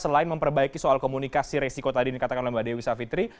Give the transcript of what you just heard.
selain memperbaiki soal komunikasi resiko tadi yang dikatakan oleh mbak dewi savitri